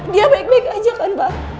dia baik baik aja kan pak